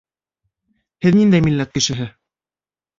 Һеҙ ниндәй милләт кешеһе?